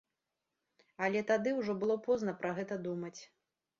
Але тады ўжо было позна пра гэта думаць.